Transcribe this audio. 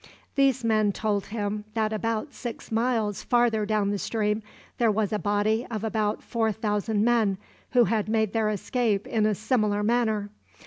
These men told him that about six miles farther down the stream there was a body of about four thousand men who had made their escape in a similar manner.